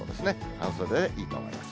半袖でいいと思います。